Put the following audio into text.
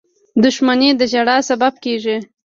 • دښمني د ژړا سبب کېږي.